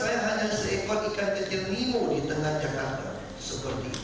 saya bilang saya hanya seekor ikan kecil mimo di tengah jakarta seperti itu